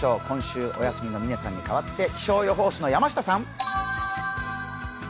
今週お休みの嶺さんに代わって気象予報士の山下さん。